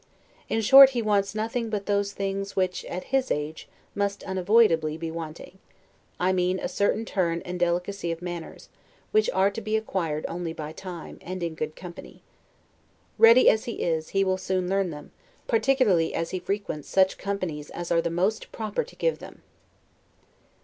In short, he wants nothing but those things, which, at his age, must unavoidably be wanting; I mean, a certain turn and delicacy of manners, which are to be acquired only by time, and in good company. Ready as he is, he will soon learn them; particularly as he frequents such companies as are the most proper to give them."